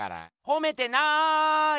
ほめてない！